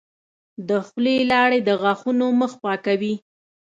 د خولې لاړې د غاښونو مخ پاکوي.